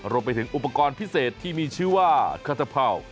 รวมไปถึงอุปกรณ์พิเศษที่มีชื่อว่าคาตเผ่า